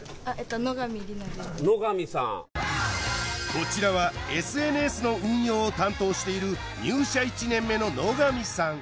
こちらはＳＮＳの運用を担当している入社１年目の野上さん